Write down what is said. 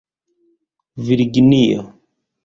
virginio